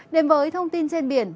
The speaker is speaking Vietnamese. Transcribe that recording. đến với thông tin trên biển